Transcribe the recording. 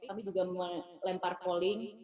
kami juga melempar polling